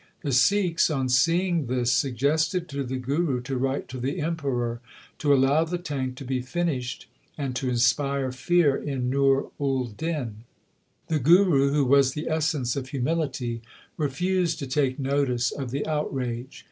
The Sikhs on seeing this suggested to the Guru to write to the Emperor to allow the tank to be finished and to inspire fear in Nur ul Din. The Guru, who was the essence of humility, refused to take notice of the outrage.